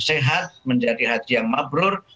sehat menjadi hati yang mabrur